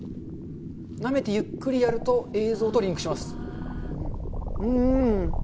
なめてゆっくりやると、映像とリうーん。